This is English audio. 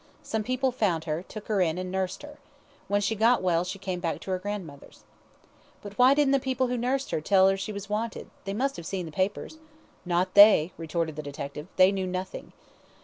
Some people found her, took her in, and nursed her. When she got well she came back to her grandmother's." "But why didn't the people who nursed her tell her she was wanted? They must have seen the papers." "Not they," retorted the detective. "They knew nothing."